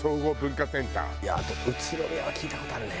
あと宇都宮は聞いた事あるね。